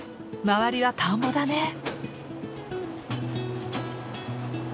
周りは田んぼだね。